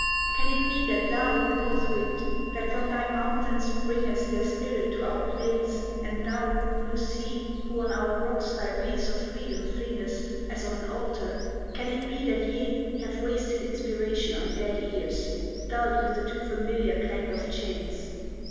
Can it be That thou, North wind, that from thy mountains bringest Their spirit to our plains, and thou, blue sea, Who on our rocks thy wreaths of freedom flingest, As on an altar, can it be that ye Have wasted inspiration on dead ears, Dulled with the too familiar clank of chains?